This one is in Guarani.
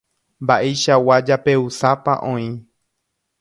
Mba'eichagua japeusápa oĩ.